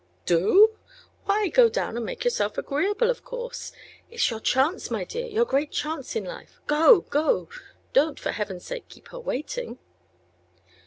"Do? Why, go down and make yourself agreeable, of course. It's your chance, my dear, your great chance in life! Go go! Don't, for heaven's sake, keep her waiting."